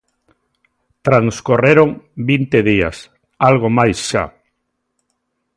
Transcorreron vinte días, algo máis xa.